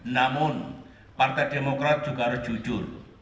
namun partai demokrat juga harus jujur